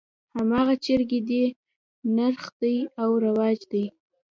هماغه جرګې دي نرخ دى او رواج دى.